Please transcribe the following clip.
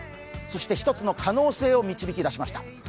そして１つの可能性を導き出しました。